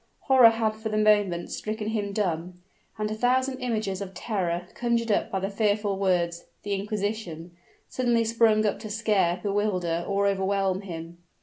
Horror had for the moment stricken him dumb: and a thousand images of terror, conjured up by the fearful words, "the inquisition," suddenly sprung up to scare, bewilder and overwhelm him.